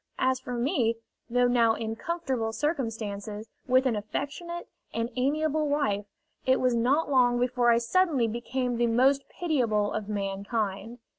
As for me, though now in comfortable circumstances, with an affectionate and amiable wife, it was not long before I suddenly became the most pitiable of mankind.